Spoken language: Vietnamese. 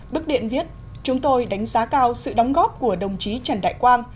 bức điện viết chúng tôi đánh giá cao sự đóng góp của đồng chí trần đại quang